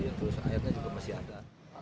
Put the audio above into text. terus airnya juga masih ada